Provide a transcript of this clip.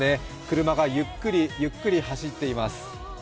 車がゆっくり、ゆっくり走っています。